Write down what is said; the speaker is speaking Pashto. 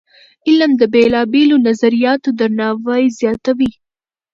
علم د بېلابېلو نظریاتو درناوی زیاتوي.